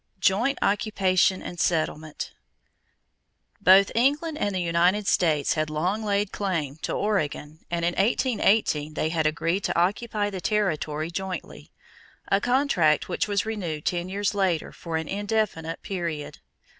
Joint Occupation and Settlement. Both England and the United States had long laid claim to Oregon and in 1818 they had agreed to occupy the territory jointly a contract which was renewed ten years later for an indefinite period.